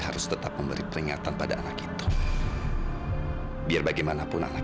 ya udah kalau memang ibu nggak mau ke makam saya